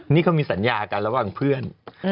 นี่เขามีสัญญากันระหว่างเพื่อน